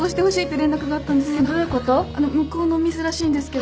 向こうのミスらしいんですけど。